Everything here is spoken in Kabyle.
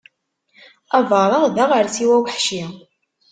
Abareɣ d aɣersiw aweḥci.